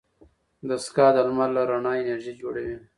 دستګاه د لمر له رڼا انرژي جوړوي.